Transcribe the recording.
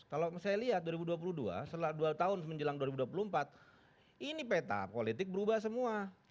kalau saya lihat dua ribu dua puluh dua setelah dua tahun menjelang dua ribu dua puluh empat ini peta politik berubah semua